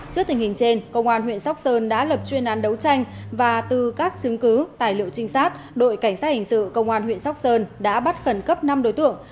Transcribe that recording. trước tình hình trên công an huyện sóc sơn đã lập chuyên án đấu tranh và từ các chứng cứ tài liệu trinh sát đội cảnh sát hình sự công an huyện sóc sơn đã bắt khẩn cấp năm đối tượng